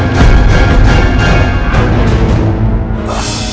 nutuk dia ya mayer